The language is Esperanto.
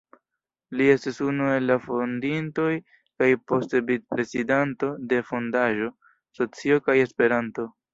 Li estis unu el la fondintoj, kaj poste vicprezidanto de Fondaĵo "Socio kaj Esperanto".